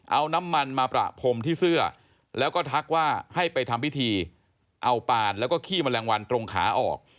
เอาน้ำมันมาประพรมที่เสื้อแล้วก็ทักว่าให้ไปทำพิธีเอาปานแล้วก็ขี้แมลงวันตรงขาออก